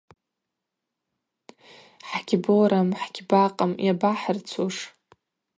Хӏгьборам, хӏгьбакъым – йабахӏырцуш.